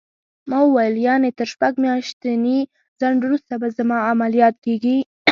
ما وویل: یعنې تر شپږ میاشتني ځنډ وروسته به زما عملیات کېږي؟